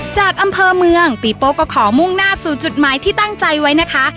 จากอำเภอเมืองปีโป้ก็ขอมุ่งหน้าสู่จุดหมายที่ตั้งใจไว้นะคะ